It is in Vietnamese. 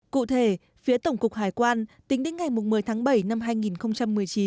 cụ thể phía tổng cục hải quan tính đến ngày một mươi tháng bảy năm hai nghìn một mươi chín